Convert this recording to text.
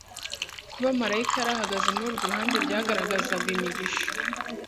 Kuba malayika yarahagaze muri urwo ruhande byagaragazaga imigisha,